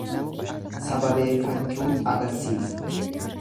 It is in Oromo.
Sababeeffachuu agarsiisa.